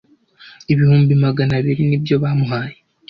ibihumbi magana abiri nibyo bamuhaye